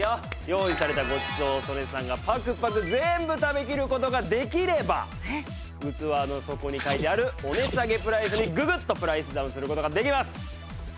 用意されたごちそうを曽根さんがパクパク全部食べ切る事ができれば器の底に書いてあるお値下げプライスにググッとプライスダウンする事ができます！